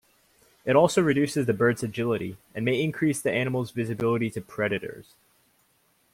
It also reduces the bird's agility, and may increase the animal's visibility to predators.